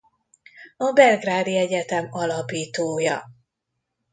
A Belgrádi Egyetem alapítója.